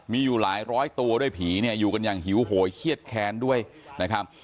มีอยู่หลายร้อยตัวด้วยผีเนี่ยอยู่กันอย่างหิวโหยเครียดแค้นด้วยนะครับ